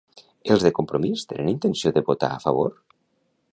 Els de Compromís tenen intenció de votar a favor?